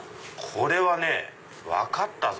これはね分かったぞ！